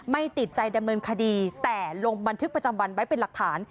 ไม่ติดใจดำเนินคดีแต่ลงบันทึกประจำวันไว้เป็นหลักฐาน